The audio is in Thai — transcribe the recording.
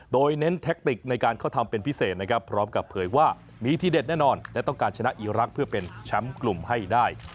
โดยเน้นแทคติกในการเข้าทำเป็นพิเศษนะครับพร้อมกับเผยว่ามีที่เด็ดแน่นอนและต้องการชนะอีรักษ์เพื่อเป็นแชมป์กลุ่มให้ได้